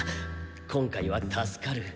今回は助かる。